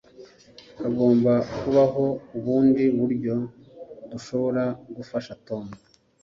Hagomba kubaho ubundi buryo dushobora gufasha Tom